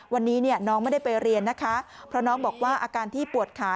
วันนี้น้องไม่ได้ไปเรียนนะคะเพราะน้องบอกว่าอาการที่ปวดขา